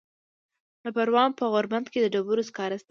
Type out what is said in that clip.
د پروان په غوربند کې د ډبرو سکاره شته.